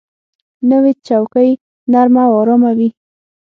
نوې چوکۍ نرمه او آرامه وي